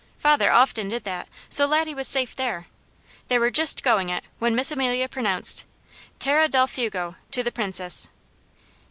Father often did that, so Laddie was safe there. They were just going it when Miss Amelia pronounced, "Terra del Fuego," to the Princess.